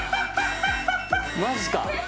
マジか。